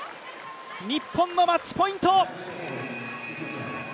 日本のマッチポイント！